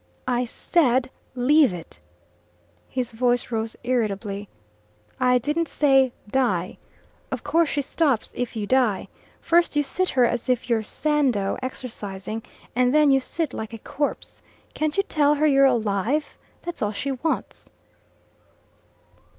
"I said LEAVE it." His voice rose irritably. "I didn't say 'die.' Of course she stops if you die. First you sit her as if you're Sandow exercising, and then you sit like a corpse. Can't you tell her you're alive? That's all she wants."